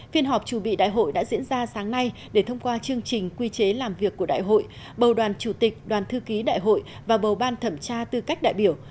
phiên họp chủ bị đại hội đã diễn ra sáng nay để thông qua chương trình quy chế làm việc của đại hội bầu đoàn chủ tịch đoàn thư ký đại hội và bầu ban thẩm tra tư cách đại biểu